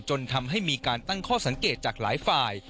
จนทำให้มีการตั้งข้อสังเกตจากหลายฝ่าย